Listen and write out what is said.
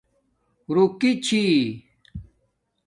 رُوکی چھی